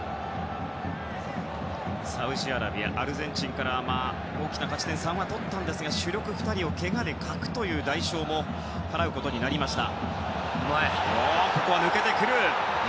サウジアラビアはアルゼンチンから大きな勝ち点３は取りましたが主力２人をけがで欠くという代償も払うことになりました。